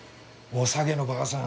おさげのばあさん？